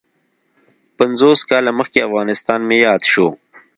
پنځوس کاله مخکې افغانستان مې یاد شو.